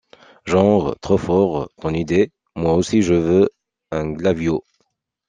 Genre « trop fort ton idée, moi aussi je veux un glaviot!